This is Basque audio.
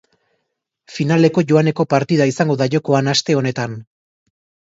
Finaleko joaneko partida izango da jokoan aste honetan.